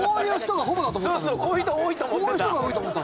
そうそうこういう人多いと思ってた。